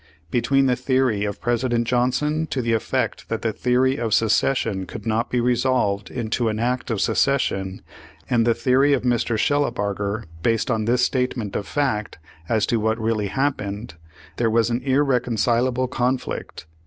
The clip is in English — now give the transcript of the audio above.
Between the theory of President Johnson to the effect that the theory of secession could not be resolved into an act of secession, and the theory of Mr. Shellabarger, based on his state ment of fact as to what really happened, there was an irreconcilable conflict.